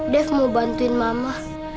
dev mau bantuin mama